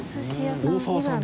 大澤さん。